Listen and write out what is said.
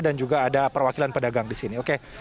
dan juga ada perwakilan pedagang di sini